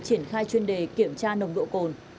triển khai chuyên đề kiểm tra nồng độ cồn